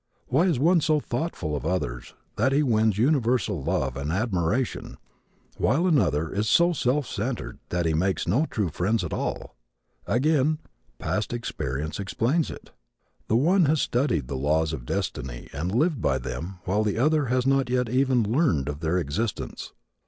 Why is one so thoughtful of others that he wins universal love and admiration while another is so self centered that he makes no true friends at all? Again past experience explains it. The one has studied the laws of destiny and lived by them while the other has not yet even learned of their existence.